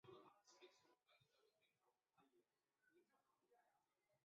金峰山是奈良县大峰山脉吉野山到山上岳的连峰的总称。